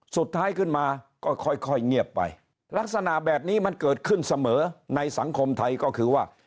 สุดท้ายขึ้นมาก็ค่อยค่อยเงียบไปลักษณะแบบนี้มันเกิดขึ้นเสมอในสังคมไทยก็คือว่า